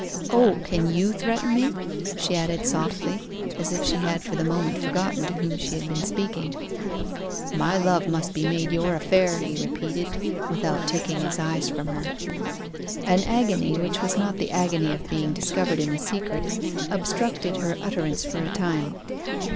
O, can you threaten me?' she added softly, as if she had for the moment forgotten to whom she had been speaking. 'My love must be made your affair,' he repeated, without taking his eyes from her. An agony, which was not the agony of being discovered in a secret, obstructed her utterance for a time.